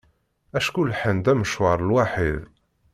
Acku lḥan-d amecwar lwaḥid.